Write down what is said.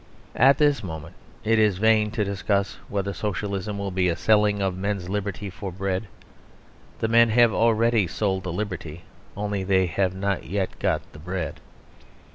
At this moment it is vain to discuss whether socialism will be a selling of men's liberty for bread. The men have already sold the liberty; only they have not yet got the bread.